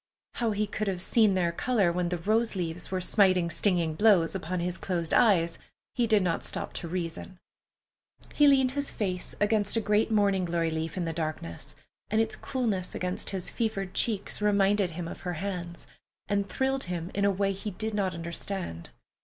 How he could have seen their color when the "rose leaves" were smiting stinging blows upon his closed eyes, he did not stop to reason. He leaned his face against a great morning glory leaf in the darkness, and its coolness against his fevered cheeks reminded him of her hands, and thrilled him in a way he did not understand.